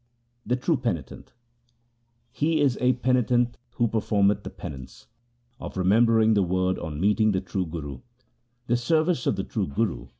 The true penitent :— He is a penitent who performeth the penance Of remembering the Word on meeting the true Guru.